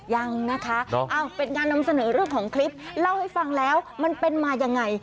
ยังนะคะเป็นการนำเสนอเรื่องของคลิปเล่าให้ฟังแล้วมันเป็นมายังไง